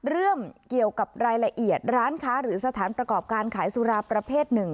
เรื่องเกี่ยวกับรายละเอียดร้านค้าหรือสถานประกอบการขายสุราประเภทหนึ่ง